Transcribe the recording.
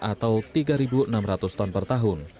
atau tiga enam ratus ton per tahun